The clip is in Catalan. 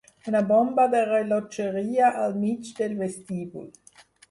Una bomba de rellotgeria al mig del vestíbul.